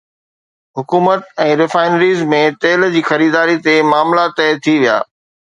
حڪومت ۽ ريفائنريز ۾ تيل جي خريداري تي معاملا طئي ٿي ويا